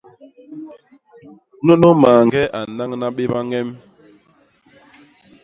Nunu mañge a nnañna béba ñem.